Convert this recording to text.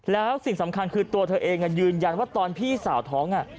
แล้วสิ่งสำคัญคือตัวเธอเองยืนยันว่าตอนพี่สาวท้อง